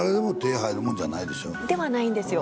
ではないんですよ